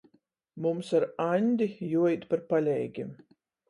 Mums ar Aņdi juoīt par paleigim.